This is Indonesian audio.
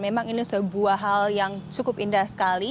memang ini sebuah hal yang cukup indah sekali